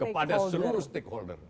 kepada seluruh stakeholder